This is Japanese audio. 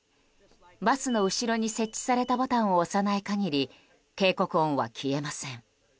バスの後ろに設置されたボタンを押さない限り警告音は消えません。